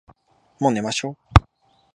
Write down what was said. もう寝ましょ。